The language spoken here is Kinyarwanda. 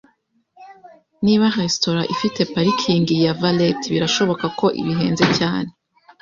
Niba resitora ifite parikingi ya valet birashoboka ko bihenze cyane. .